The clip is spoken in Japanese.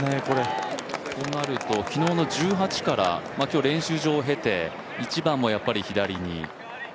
となると昨日の１８から、今日練習場を経て、１番も左に。